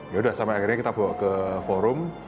yaudah sampai akhirnya kita bawa ke forum